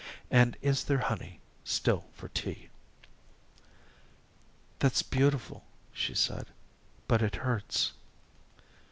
And is there honey still for tea?'" "That's beautiful," she said, "but it hurts."